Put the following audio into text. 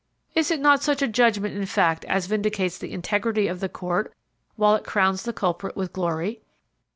Is it not such a judgment in fact as vindicates the integrity of the court, while it crowns the culprit with glory?